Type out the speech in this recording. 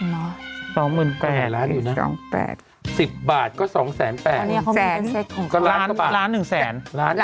เนอะสองหมื่นแปดสองแปดสิบบาทก็สองแสนแปดร้านหนึ่งแสน